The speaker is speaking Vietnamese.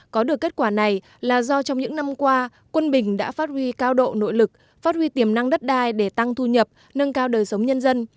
có được kết quả này là do trong những năm qua quân bình đã phát huy cao độ nội lực phát huy tiềm năng đất đai để tăng thu nhập nâng cao đời sống nhân dân